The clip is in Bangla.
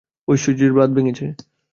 ঐশ্বর্যের বাঁধ ভাঙছে।